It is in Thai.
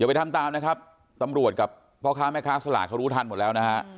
ไปทำตามนะครับตำรวจกับพ่อค้าแม่ค้าสลากเขารู้ทันหมดแล้วนะฮะ